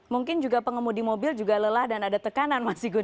mungkin juga pengemudi mobil juga lelah dan ada tekanan mas igun